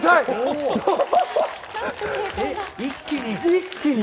一気に。